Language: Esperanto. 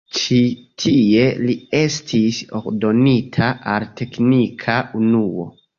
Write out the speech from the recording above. Ĉi tie li estis ordonita al teknika unuo.